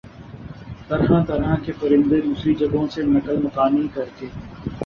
طرح طرح کے پرندے دوسری جگہوں سے نقل مکانی کرکے